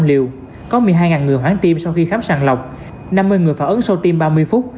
bốn mươi tám tám trăm linh liều có một mươi hai người hoãn tim sau khi khám sàng lọc năm mươi người phản ứng sâu tim ba mươi phút